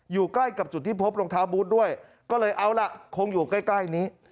อยู่ใกล้กับจุดที่พบรองเท้าบูธด้วยก็เลยเอาล่ะคงอยู่ใกล้ใกล้นี้